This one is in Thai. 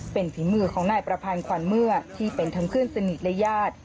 เป็นฝีมือของนายประพันธ์ขวัญเมื่อที่เป็นทั้งเพื่อนสนิทและญาติ